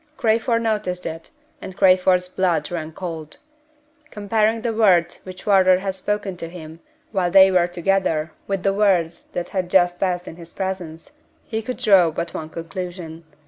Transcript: Crayford noticed it, and Crayford's blood ran cold. Comparing the words which Wardour had spoken to him while they were alone together with the words that had just passed in his presence, he could draw but one conclusion.